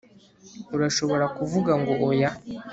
Urashobora kuvuga ngo oya